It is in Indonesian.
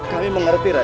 kami mengerti rai